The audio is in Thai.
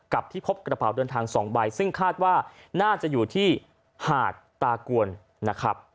ที่พบกระเป๋าเดินทาง๒ใบซึ่งคาดว่าน่าจะอยู่ที่หาดตากวนนะครับ